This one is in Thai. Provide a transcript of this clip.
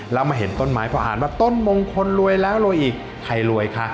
แล้วมาเห็นต้นไม้พอหันมาต้นมงคลรวยแล้วรวยอีกใครรวยคะ